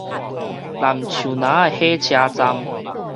南樹林仔火車站